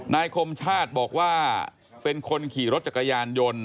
คมชาติบอกว่าเป็นคนขี่รถจักรยานยนต์